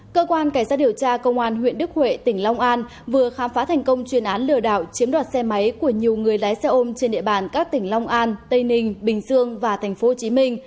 cơ quan cảnh sát điều tra công an huyện đức huệ tỉnh long an vừa khám phá thành công chuyên án lừa đảo chiếm đoạt xe máy của nhiều người lái xe ôm trên địa bàn các tỉnh long an tây ninh bình dương và tp hcm